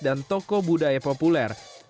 dan tokoh budaya populer